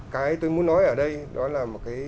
cái tôi muốn nói ở đây đó là một cái